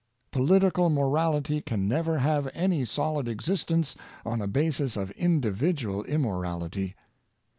Political morality can never have any solid existence on a basis of individual immorality.